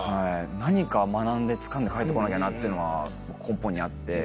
何か学んでつかんで帰ってこなきゃなっていうのは根本にあって。